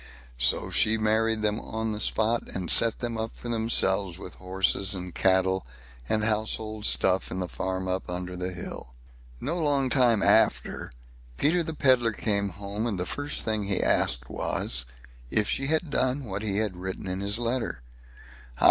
So she married them on the spot, and set them up for themselves, with horses, and cattle, and household stuff, in the farm up under the hill. No long time after Peter the Pedlar came home, and the first thing he asked was, if she had done what he had written in his letter. "Aye!